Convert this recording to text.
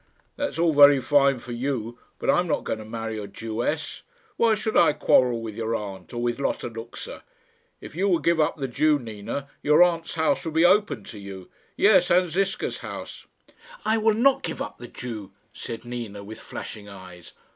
"That is all very fine for you, but I am not going to marry a Jewess. Why should I quarrel with your aunt, or with Lotta Luxa? If you would give up the Jew, Nina, your aunt's house would be open to you; yes and Ziska's house." "I will not give up the Jew," said Nina, with flashing eyes.